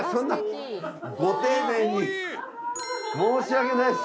申し訳ないっす。